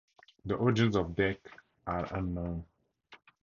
The origins of deq are unknown.